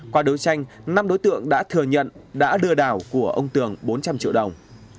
qua đấu tranh năm đối tượng đã thừa nhận đã lừa đảo của ông tường bốn trăm linh triệu đồng